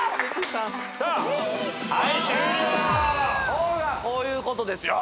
ほらこういうことですよ。